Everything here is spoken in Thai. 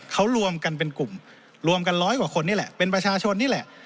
เขารวมกันเป็นกลุ่มรวมกันร้อยกว่าคนนี่แหละเป็นประชาชนนี่แหละ